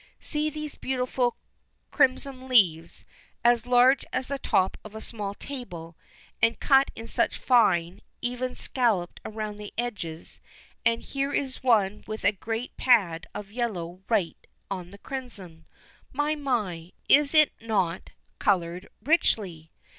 See these beautiful crimson leaves, as large as the top of a small table, and cut in such fine, even scallops around the edges, and here is one with a great pad of yellow right on the crimson. My! My! is it not colored richly?